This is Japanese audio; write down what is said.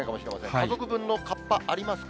家族分のかっぱありますか？